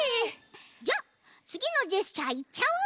じゃあつぎのジェスチャーいっちゃおう！